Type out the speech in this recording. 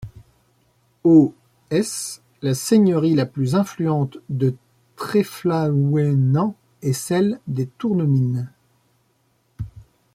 Aux -s, la seigneurie la plus influente de Tréflaouénan est celle des Tournemine.